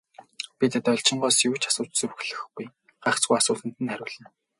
Би Должингоос юу ч асууж зүрхлэхгүй, гагцхүү асуусанд нь хариулж явлаа.